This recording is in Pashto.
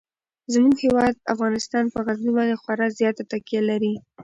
زموږ هیواد افغانستان په غزني باندې خورا زیاته تکیه لري.